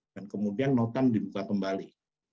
dan kemudian notam dibuka kembali